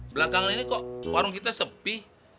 belakangan ini kok warung kita sepi